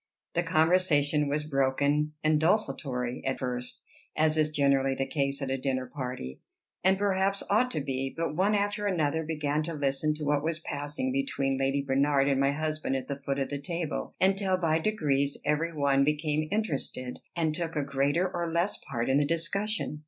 The conversation was broken and desultory at first, as is generally the case at a dinner party and perhaps ought to be; but one after another began to listen to what was passing between Lady Bernard and my husband at the foot of the table, until by degrees every one became interested, and took a greater or less part in the discussion.